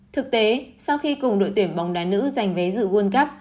thực tế sau khi cùng đội tuyển bóng đá nữ giành vé dự world cup